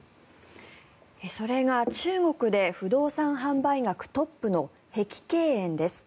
それが中国で不動産販売額トップの碧桂園です。